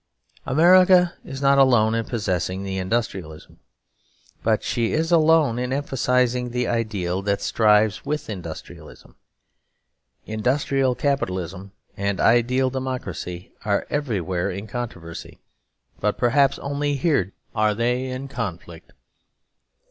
America is not alone in possessing the industrialism, but she is alone in emphasising the ideal that strives with industrialism. Industrial capitalism and ideal democracy are everywhere in controversy; but perhaps only here are they in conflict.